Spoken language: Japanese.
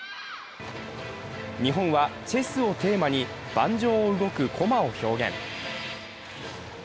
日本はチェスをテーマに、盤上を動く駒を表現。